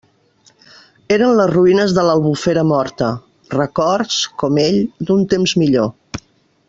Eren les ruïnes de l'Albufera morta; records, com ell, d'un temps millor.